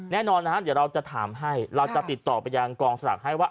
แน่นอนนะครับเดี๋ยวเราจะถามให้เราจะติดต่อไปยังกองสลักให้ว่า